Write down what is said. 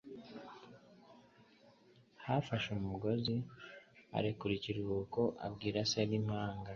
Yafashe umugozi arekura ikiruhuko, abwira se n'impanga.